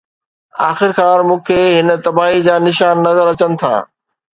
آخرڪار، مون کي هن تباهي جا نشان نظر اچن ٿا.